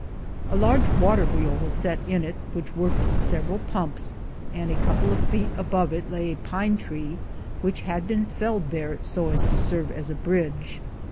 A large water wheel was set in it, which worked several pumps, and a couple of feet above it lay a pine tree, which had been felled there so as to serve as a bridge.